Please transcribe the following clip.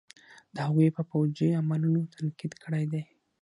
د هغوئ په فوجي عملونو تنقيد کړے دے.